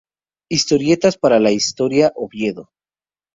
Historietas para la Historia, Oviedo.